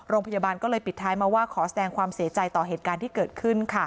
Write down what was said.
โรงพยาบาลก็เลยปิดท้ายมาว่าขอแสดงความเสียใจต่อเหตุการณ์ที่เกิดขึ้น